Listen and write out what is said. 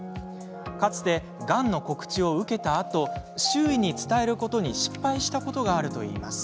かつて、がんの告知を受けたあと周囲に伝えることに失敗したことがあるといいます。